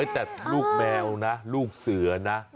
แต่ลูกแมวนะลูกเสือนะ